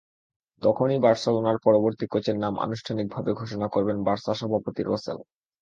তখনই বার্সেলোনার পরবর্তী কোচের নাম আনুষ্ঠানিকভাবে ঘোষণা করবেন বার্সা সভাপতি রসেল।